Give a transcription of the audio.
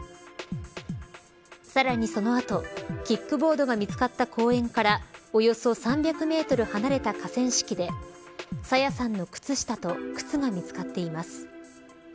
さらにその後、キックボードが見つかった公園からおよそ３００メートル離れた河川敷で朝芽さんの靴下と靴が見つかっています。